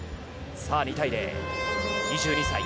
２対０、２２歳。